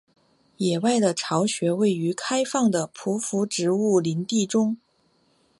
野外的巢穴位于开放的匍匐植物林地中。